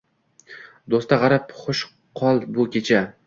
Doʻsti gʻarib, xush qol bu kecha.